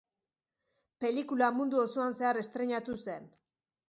Pelikula mundu osoan zehar estreinatu zen.